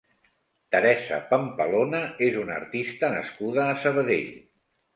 Teresa Pampalona és una artista nascuda a Sabadell.